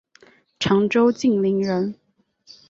常州晋陵人。